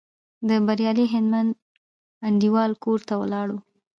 د بریالي هلمند انډیوال کور ته ولاړو.